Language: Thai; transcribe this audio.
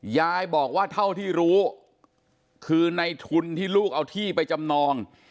ยายบอกว่าเท่าที่รู้คือในทุนที่ลูกเอาที่ไปจำนอง